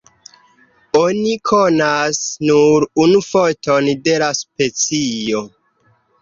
Oni konas nur unu foton de la specio.